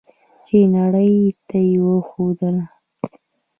چې نړۍ ته یې وښودله.